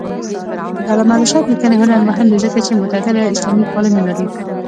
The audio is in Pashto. د علامه رشاد لیکنی هنر مهم دی ځکه چې معتدله اسلاميپالنه لري.